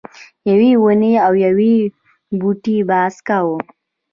یوې ونې او یو بوټي بحث کاوه.